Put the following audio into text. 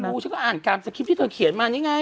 ฉันไม่รู้ฉันก็อ่านการสกริปที่เคยเขียนมานี่ไง